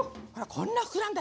こんなに膨らんだ！